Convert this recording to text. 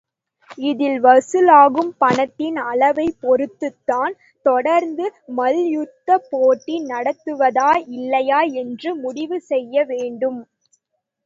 இதில் வசூல் ஆகும் பணத்தின் அளவைப் பொறுத்துத்தான் தொடர்ந்து மல்யுத்தப்போட்டி நடத்துவதா இல்லையா என்று முடிவு செய்ய வேண்டும்.